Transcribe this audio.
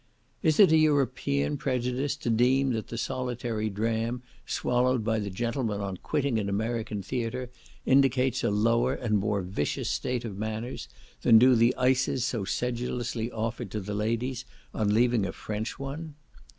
Is it an European prejudice to deem that the solitary dram swallowed by the gentlemen on quitting an American theatre indicates a lower and more vicious state of manners, than do the ices so sedulously offered to the ladies on leaving a French one?